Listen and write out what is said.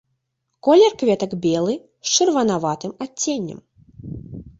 Колер кветак белы з чырванаватым адценнем.